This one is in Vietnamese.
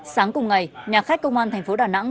sáng cùng ngày nhà khách công an thành phố đà nẵng